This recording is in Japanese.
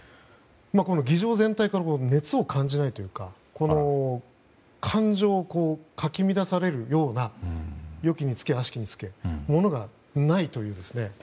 議場全体から熱を感じないというか感情をかき乱されるようなよきにつけ、悪しきにつけそういったものがないという。